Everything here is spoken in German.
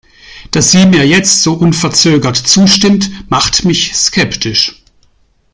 Dass sie mir jetzt so unverzögert zustimmt, macht mich skeptisch.